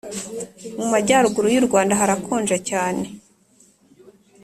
Mumajyaruguru yurwanda harakonja cyane